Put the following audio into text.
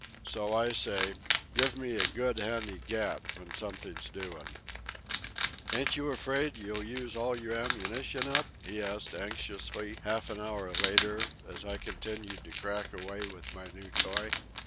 So I say, give me a good handy gat when something's doing." "Ain't you afraid you'll use all your ammunition up?" he asked anxiously half an hour later, as I continued to crack away with my new toy.